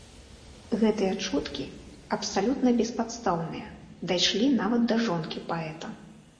Гэтыя чуткі, абсалютна беспадстаўныя, дайшлі нават да жонкі паэта.